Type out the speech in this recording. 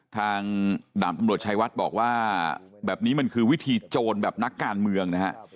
ทางดาบตำรวจชายวัดบอกว่าแบบนี้มันคือวิธีโจรแบบนักการเมืองนะฮะ